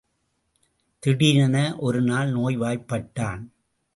திடீரென ஒரு நாள் நோய்வாய்ப்பட்டான்.